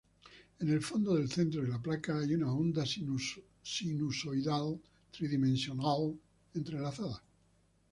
En el fondo del centro de la placa hay una onda sinusoidal tridimensional entrelazada.